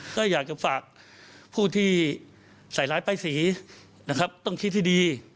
ก็อยากจะฝากผู้ที่ใส่ร้ายป้ายสีนะครับต้องคิดให้ดี